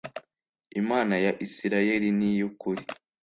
Imana ya Isirayeli niyukuri